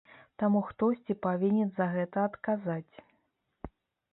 Таму хтосьці павінен за гэта адказаць.